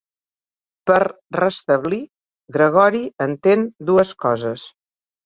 Per "restablir", Gregori entén dues coses.